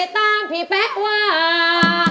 ตามพี่แป๊ะว่า